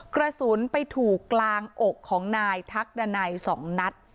กระสุนไปถูกกลางอกของนายทักดันัย๒นัด